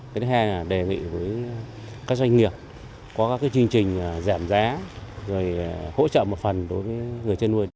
cái thứ hai là đề nghị với các doanh nghiệp có các chương trình giảm giá rồi hỗ trợ một phần đối với người chăn nuôi